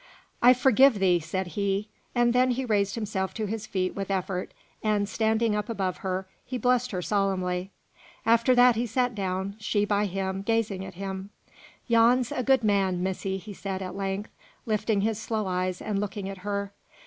"I forgive thee!" said he. And then he raised himself to his feet with effort, and, standing up above her, he blessed her solemnly. After that he sat down, she by him, gazing at him. "Yon's a good man, missy," he said, at length, lifting his slow eyes and looking at her.